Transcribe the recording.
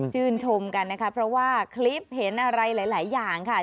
ชมกันนะคะเพราะว่าคลิปเห็นอะไรหลายอย่างค่ะ